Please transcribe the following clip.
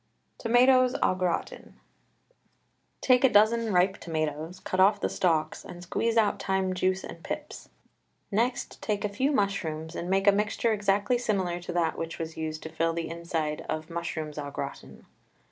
TOMATOES AU GRATIN. Take a dozen ripe tomatoes, cut off the stalks, and squeeze out time juice and pips. Next take a few mushrooms and make a mixture exactly similar to that which was used to fill the inside of Mushrooms au gratin.